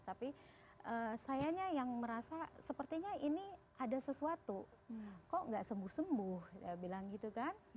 tapi sayanya yang merasa sepertinya ini ada sesuatu kok nggak sembuh sembuh bilang gitu kan